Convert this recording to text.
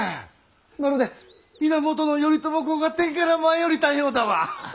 まるで源頼朝公が天から舞い降りたようだわ。